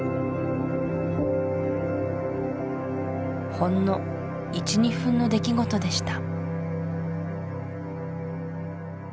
ほんの１２分の出来事でした